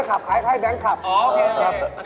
ไอเขาจะขับไอใช่แบงค์ขับ